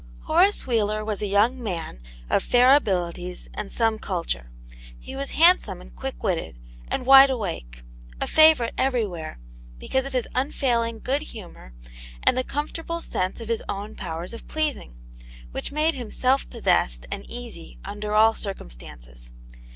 HORACE WHEELER was a young man of fair abilities and some culture. He was hand some and quick witted, and wide awake ; a favourite everywhere, because of his unfailing good humour and the comfortable sense of his own powers of pleasing, which made him self pos5essed and easy under all circumstances.